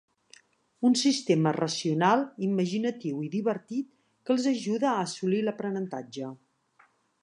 Un sistema racional, imaginatiu i divertit que els ajuda, a assolir l'aprenentatge.